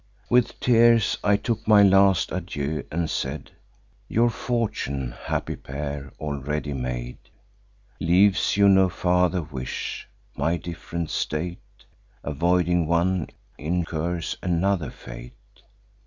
"With tears I took my last adieu, and said: 'Your fortune, happy pair, already made, Leaves you no farther wish. My diff'rent state, Avoiding one, incurs another fate.